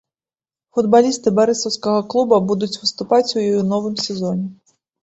Футбалісты барысаўскага клуба будуць выступаць у ёй у новым сезоне.